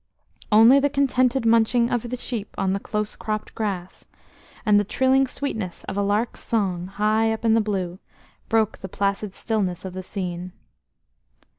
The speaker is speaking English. Only the contented munching of the sheep on the close cropped grass, and the trilling sweetness of a lark's song high up in the blue, broke the placid stillness of the scene.